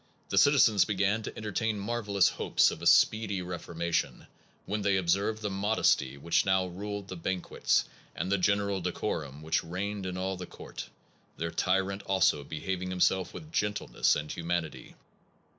... The citizens began to entertain marvellous hopes of a speedy reformation when they observed the modesty which now ruled the banquets, and the general decorum which reigned in all the court, their tyrant also behaving himself with gentleness and humanity.